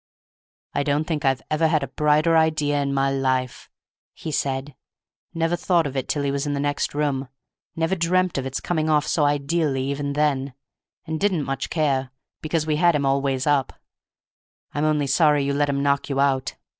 "I don't think I ever had a brighter idea in my life," he said; "never thought of it till he was in the next room; never dreamt of its coming off so ideally even then, and didn't much care, because we had him all ways up. I'm only sorry you let him knock you out.